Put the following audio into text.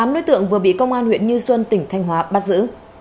tám đối tượng vừa bị công an huyện như xuân tỉnh thanh hóa bắt giữ